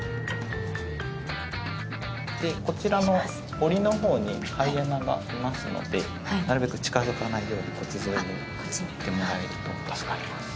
こちらの檻のほうにハイエナがいますのでなるべく近づかないようにこっち沿いに行ってもらえると助かります。